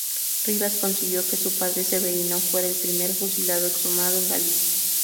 Rivas consiguió que su padre, Severino, fuera el primer fusilado exhumado en Galicia.